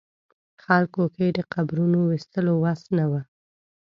خلکو کې د قبرونو ویستلو وس نه و.